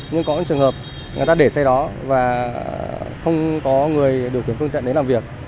nhưng có những trường hợp người ta để xe đó và không có người điều khiển phương tiện đến làm việc